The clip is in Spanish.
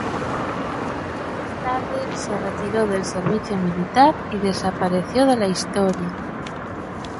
Más tarde se retiró del servicio militar y desapareció de la historia.